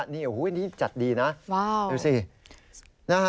นี่จัดดีนะดูสิว้าว